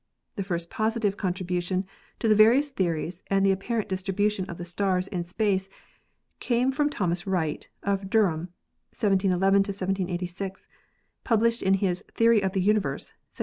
The first positive con tribution to the various theories and the apparent distribu tion of the stars in space came from Thomas Wright, of Durham (1711 1786), published in his "Theory of the Universe" (1750).